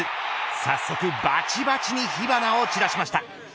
早速、ばちばちに火花を散らしました。